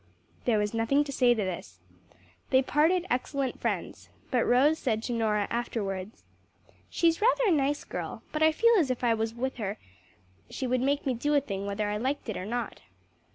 There was nothing to say to this. They parted excellent friends, but Rose said to Norah afterwards, "She's rather a nice girl, but I feel if I was with her she would make me do a thing whether I liked it or not."